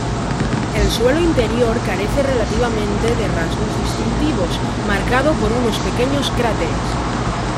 El suelo interior carece relativamente de rasgos distintivos, marcado por unos pequeños cráteres.